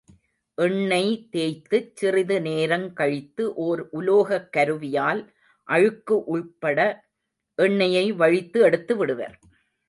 எண்ணெய் தேய்த்துச் சிறிது நேரங்கழித்து ஓர் உலோகக் கருவியால் அழுக்கு உள்பட எண்ணெயை வழித்து எடுத்து விடுவர்.